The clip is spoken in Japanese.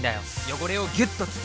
汚れをギュッと包む！